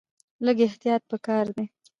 لږ احتیاط په کار دی.